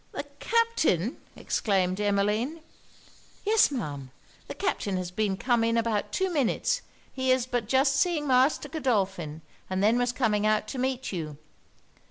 'The Captain!' exclaimed Emmeline. 'Yes, Ma'am, the Captain has been come in about two minutes; he is but just seeing Master Godolphin, and then was coming out to meet you.'